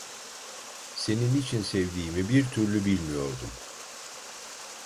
Seni niçin sevdiğimi bir türlü bilmiyordum.